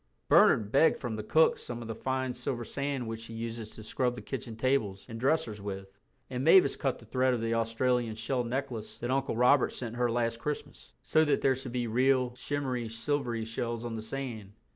Bernard begged from the cook some of the fine silver sand which she uses to scrub the kitchen tables and dressers with, and Mavis cut the thread of the Australian shell necklace that Uncle Robert sent her last Christmas, so that there should be real, shimmery, silvery shells on the sand.